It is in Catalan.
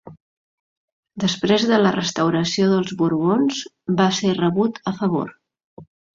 Després de la restauració dels Borbons, va ser rebut a favor.